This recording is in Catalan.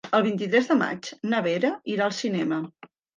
El vint-i-tres de maig na Vera irà al cinema.